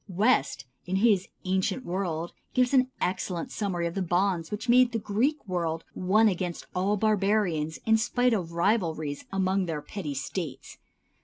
West, in his "Ancient World," gives an excellent summary of the bonds which made the Greek world one against all "barbarians" in spite of rivalries among their petty States.